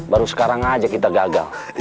baru sekarang aja kita gagal